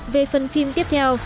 về phần phim tiếp theo